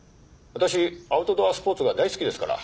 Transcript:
私アウトドアスポーツが大好きですから。